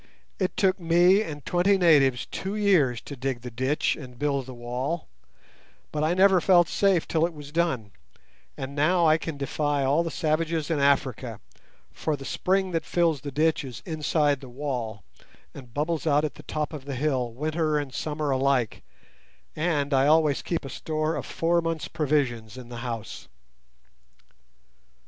It took me and twenty natives two years to dig the ditch and build the wall, but I never felt safe till it was done; and now I can defy all the savages in Africa, for the spring that fills the ditch is inside the wall, and bubbles out at the top of the hill winter and summer alike, and I always keep a store of four months' provision in the house."